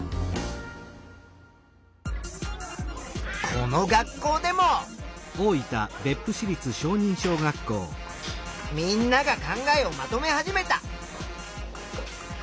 この学校でもみんなが考えをまとめ始めた。